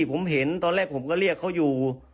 ผมเห็นตอนแรกผมก็เรียกเขาอยู่